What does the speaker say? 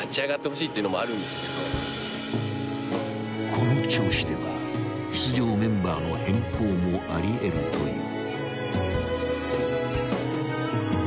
［この調子では出場メンバーの変更もあり得るという］